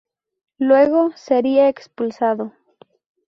Luego sería expulsado.